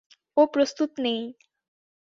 ও প্রস্তুত নেই।